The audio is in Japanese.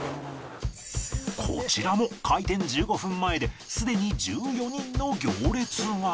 こちらも開店１５分前ですでに１４人の行列が